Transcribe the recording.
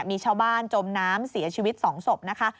มีชาวบ้านจมน้ำเสียชีวิต๒ศพนะคะ